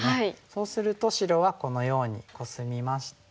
そうすると白はこのようにコスみまして。